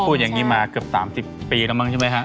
ก็พูดอย่างนี้มาอย่างเกือบ๓๐ปีเลยใช่มะคะ